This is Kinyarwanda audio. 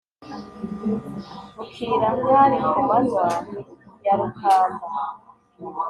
Bukira hari ku manywa ya rukamba